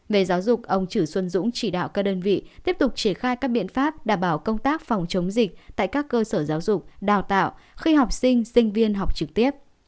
về giáo dục ông chử xuân dũng chỉ đạo các đơn vị tiếp tục triển khai các biện pháp đảm bảo công tác phòng chống dịch tại các cơ sở giáo dục đào tạo khi học sinh sinh viên học trực tiếp